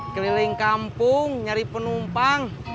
keliling kampung nyari penumpang